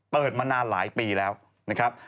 เปิดมานานหลายปีแล้วนะครับ